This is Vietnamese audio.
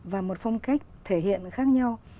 và một phong cách thể hiện khác nhau